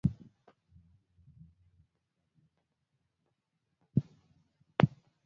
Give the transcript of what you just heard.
Mwanamume mwenye umri wa miaka arobaini na saba aliyeshtakiwa kwa uchomaji moto